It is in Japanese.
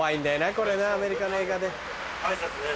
これなアメリカの映画で。